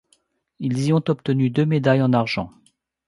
Ils y ont obtenu deux médailles, en argent.